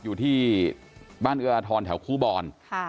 อยู่ที่บ้านเอื้ออทรแถวคู่บอน